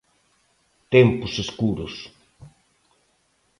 Tempos escuros.